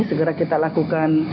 segera kita lakukan